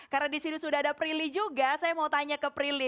karena disini sudah ada prilly juga saya mau tanya ke prilly